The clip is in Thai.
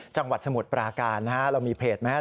จังหวัดสมุดปราการเรามีเพจไหมครับ